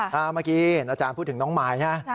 เมื่อกี้อาจารย์พูดถึงน้องมายนะ